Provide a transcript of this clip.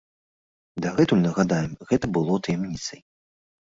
Дагэтуль, нагадаем, гэта было таямніцай.